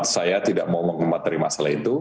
saya tidak mau mengembat dari masalah itu